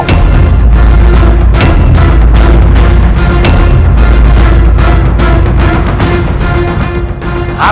aku tidak percaya